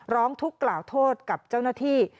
ร้องทุกข์กล่าวโทษกับเจ้าหน้าที่